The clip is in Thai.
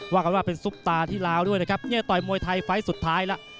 ว่ากันว่าเป็นซุปตาที่ลาวด้วยนะครับเนี่ยต่อยมวยไทยไฟล์สุดท้ายแล้ว